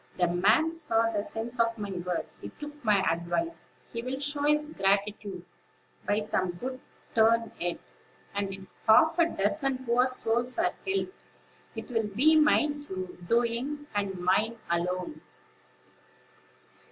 the man saw the sense of my words; he took my advice; he will show his gratitude by some good turn yet; and, if half a dozen poor souls are helped, it will be my doing, and mine alone."